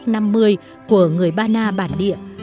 thác năm mươi của người ba na bản địa